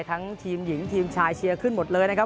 ทั้งทีมหญิงทีมชายเชียร์ขึ้นหมดเลยนะครับ